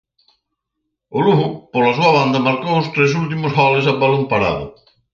O Lugo, pola súa banda, marcou os seus tres últimos goles a balón parado.